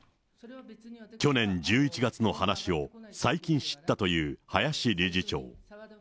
去年１１月の話を最近知ったという林理事長。